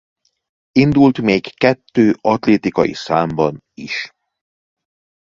Indult még kettő atlétikai számban is.